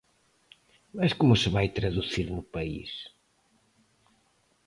Mais como se vai traducir no país?